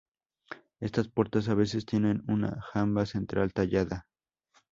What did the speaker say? Estas puertas a veces tienen una jamba central tallada.